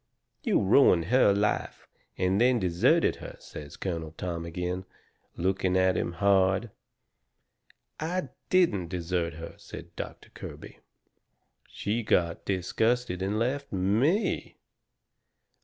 "You ruined her life, and then deserted her," says Colonel Tom agin, looking at him hard. "I DIDN'T desert her," said Doctor Kirby. "She got disgusted and left ME.